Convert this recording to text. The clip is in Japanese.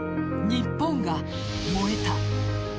日本が燃えた。